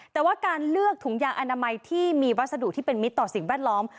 แต่ว่าการเลือกถุงยางอนามัยที่มีวัสดุที่เป็นมิตรต่อสิ่งแวดล้อม